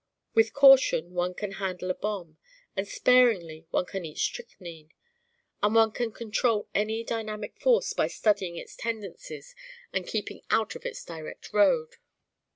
With caution one can handle a bomb, and sparingly one can eat strychnine, and one can control any dynamic force by studying its tendencies and keeping out of its direct road.